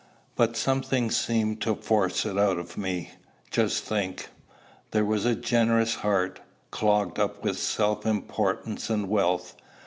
But something seemed to force it out of me. Just think: there was a generous heart, clogged up with self importance and wealth!